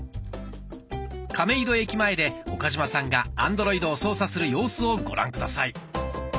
亀戸駅前で岡嶋さんがアンドロイドを操作する様子をご覧下さい。